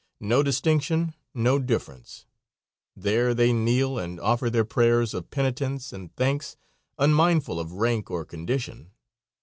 No distinction, no difference. There they kneel and offer their prayers of penitence and thanks, unmindful of rank or condition.